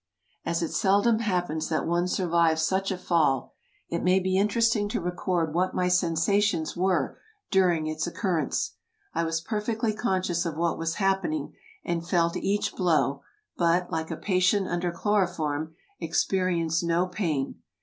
As it seldom happens that one survives such a fall, it may be interesting to record what my sensations were dur ing its occurrence. I was perfectly conscious of what was happening, and felt each blow, but, like a patient under chlo roform, experienced no pain.